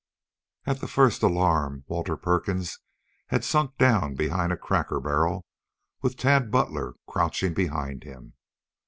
At the first alarm Walter Perkins had sunk down behind a cracker barrel with Tad Butler crouching behind him.